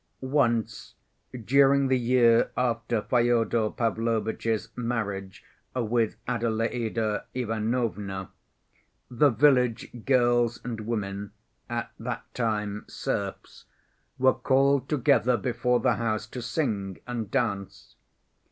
Once during the year after Fyodor Pavlovitch's marriage with Adelaïda Ivanovna, the village girls and women—at that time serfs—were called together before the house to sing and dance.